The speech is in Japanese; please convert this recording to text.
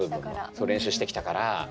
そう練習してきたから。